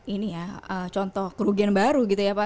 ini ya contoh kerugian baru gitu ya pak